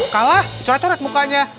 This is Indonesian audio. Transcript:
kalah corek corek mukanya